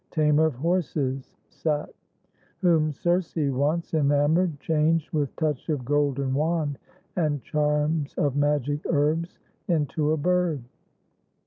Tamer of horses, sat; whom Circe once. Enamored, changed, with touch of golden wand And charms of magic herbs, into a bird.